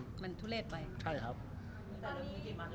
ตอนนี้มาถึงวันนี้ของสมัสมีแต่ละผลประชุมยังไงบ้าง